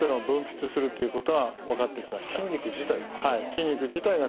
筋肉自体が？